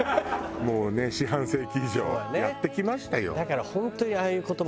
もうね四半世紀以上やってきましたよ。